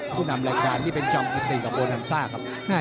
ผู้นำรายการจอมกิติโบนัสซ่าครับครับ